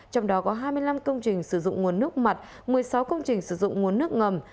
trong đó có hai mươi năm công trình sử dụng nguồn nước mặt một mươi sáu công trình sử dụng nguồn nước ngầm